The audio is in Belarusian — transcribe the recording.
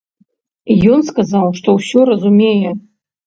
Ён сказаў, што ўсё разумее.